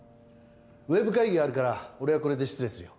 ウェブ会議があるから俺はこれで失礼するよ。